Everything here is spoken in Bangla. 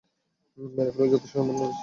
মেরে ফেলারও যথেষ্ট সম্ভাবনা রয়েছে।